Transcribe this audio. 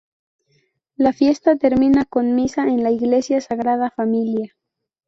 La fiesta termina con misa en la iglesia Sagrada Familia.